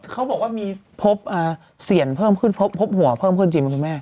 เขาบอกว่ามีพบเสียงเพิ่มขึ้นพบหัวเข้าขึ้นจริงเป็นไหม